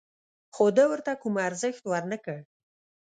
خو ده ورته کوم ارزښت ور نه کړ.